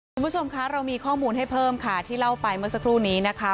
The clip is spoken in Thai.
คุณผู้ชมคะเรามีข้อมูลให้เพิ่มค่ะที่เล่าไปเมื่อสักครู่นี้นะคะ